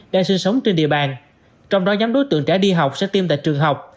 đang sinh sống trên địa bàn trong đó nhóm đối tượng trẻ đi học sẽ tiêm tại trường học